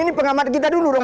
ini pengamat kita dulu dong